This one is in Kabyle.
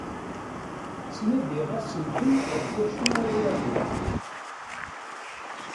Ttnadiɣ asentel ɣef wacu ara aruɣ.